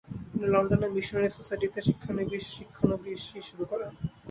তিনি লন্ডনের মিশনারি সোসাইটিতে শিক্ষানবিশি শুরু করেন।